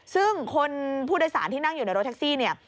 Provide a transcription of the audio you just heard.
ซึ่งคนผู้โดยสารที่นั่งอยู่ในรถแท็กซี่เนี่ย